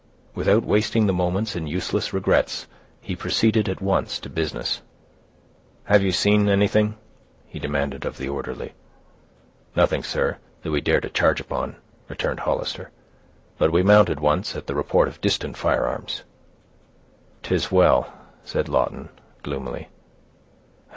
Without wasting the moments in useless regrets, he proceeded, at once, to business. "Have you seen anything?" he demanded of the orderly. "Nothing, sir, that we dared to charge upon," returned Hollister; "but we mounted once, at the report of distant firearms." "'Tis well," said Lawton, gloomily.